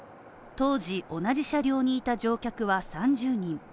当時、同じ車両にいた乗客は３０人。